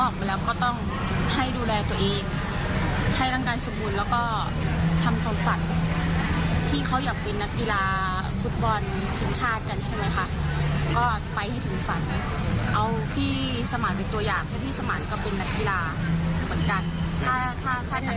ถ้าฉันที่รู้ก็คือเขาเป็นหลายอย่างเขาเล่นหลายอย่าง